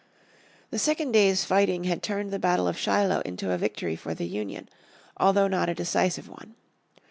The second day's fighting had turned the battle of Shiloh into a victory for the Union, although not a decisive one.